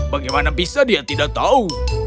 bagaimana bisa dia tidak tahu